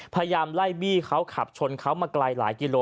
พยายามไล่บี้เขาขับชนเขามาไกลหลายกิโล